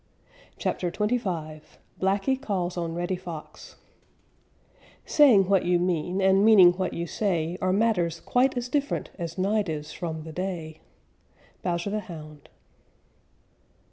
CHAPTER XXV BLACKY CALLS ON REDDY FOX Saying what you mean, and meaning what you say Are matters quite as different as night is from the day. _Bowser the Hound.